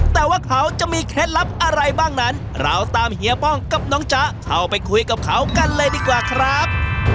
แต่ว่าเขาจะมีเคล็ดลับอะไรบ้างนั้นเราตามเฮียป้องกับน้องจ๊ะเข้าไปคุยกับเขากันเลยดีกว่าครับ